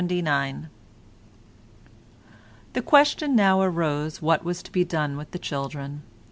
CHAPTER LXXIX The question now arose what was to be done with the children.